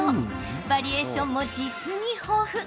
バリエーションも実に豊富。